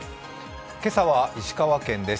今朝は石川県です。